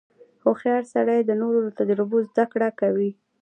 • هوښیار سړی د نورو له تجربو زدهکړه کوي.